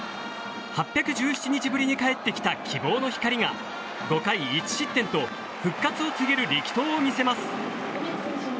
８１７日ぶりに帰ってきた希望の光が５回１失点と復活を告げる力投を見せます。